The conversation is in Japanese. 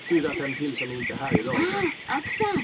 あ奥さん。